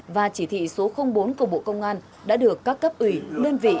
và chỉ thị số bốn của bộ công an đã được các cấp ủy đơn vị